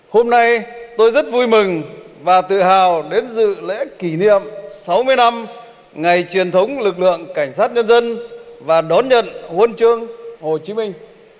hôm nay tôi rất vui mừng và tự hào đến dự lễ kỷ niệm sáu mươi năm ngày truyền thống lực lượng cảnh sát nhân dân và đón nhận huân chương hồ chí minh